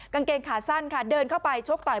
กางเกงขาสั้นค่ะเดินเข้าไปชกต่อย